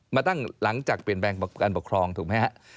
มาตั้งหลังจากเปลี่ยนแปลงการปกครองถูกไหมฮะ